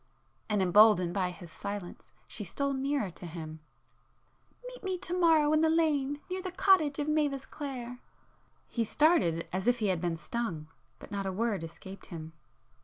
—" and emboldened by his silence, she stole nearer to him—"Meet me to morrow in the lane near the cottage of Mavis Clare...." He started as if he had been stung—but not a word escaped him.